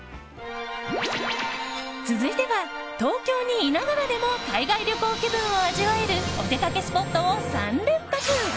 続いては東京にいながらでも海外旅行気分を味わえるお出かけスポットを３連発。